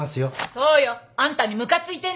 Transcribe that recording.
そうよあんたにムカついてんのよ。